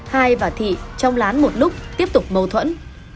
hai và thị trong lán một lúc tiếp tục mâu thuẫn